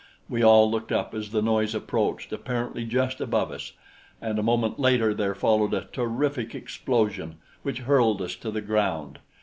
We all looked up as the noise approached apparently just above us, and a moment later there followed a terrific explosion which hurled us to the ground.